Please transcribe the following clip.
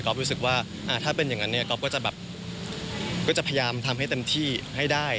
รู้สึกว่าถ้าเป็นอย่างนั้นเนี่ยก๊อฟก็จะแบบก็จะพยายามทำให้เต็มที่ให้ได้